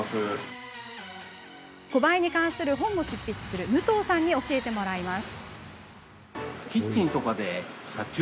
コバエに関する本も執筆する武藤さんに教えてもらいます。